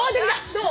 どう？